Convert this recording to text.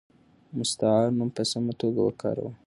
مستعار نوم په سمه توګه وکاروه.